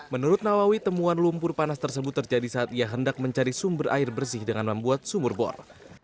menurut nawawi temuan lumpur panas tersebut terjadi saat ia hendak mencari sumber air bersih dengan membuat sumur bor